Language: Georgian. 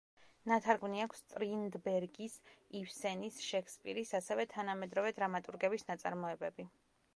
ნათარგმნი აქვს სტრინდბერგის, იბსენის, შექსპირის, ასევე თანამედროვე დრამატურგების ნაწარმოებები.